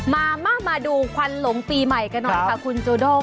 มามาดูควันหลงปีใหม่กันหน่อยค่ะคุณโจโด้ง